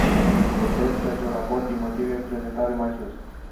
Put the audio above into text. Votez pentru raport din motivele prezentate mai sus.